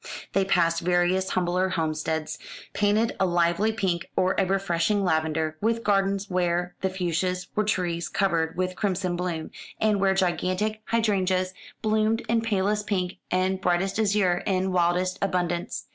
They passed various humbler homesteads, painted a lively pink, or a refreshing lavender, with gardens where the fuchsias were trees covered with crimson bloom, and where gigantic hydrangeas bloomed in palest pink and brightest azure in wildest abundance.